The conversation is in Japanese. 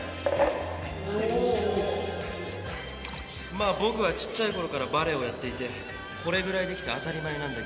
まあ僕はちっちゃいころからバレエをやっていてこれぐらいできて当たり前なんだけどな。